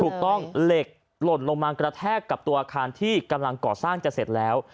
เหล็กหล่นลงมากระแทกกับตัวอาคารที่กำลังก่อสร้างจะเสร็จแล้ว